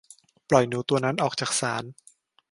ปล่อยหนูตัวนั้นออกจากศาล